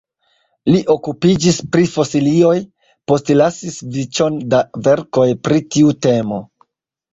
Li okupiĝis pri fosilioj, postlasis vicon da verkoj pri tiu temo.